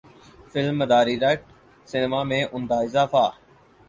film Madari رٹ cinema میں عمدہ اضافہ